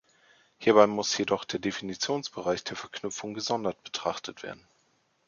Hierbei muss jedoch der Definitionsbereich der Verknüpfung gesondert betrachtet werden.